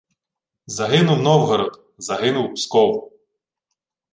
Загинув Новгород! Загинув Псков!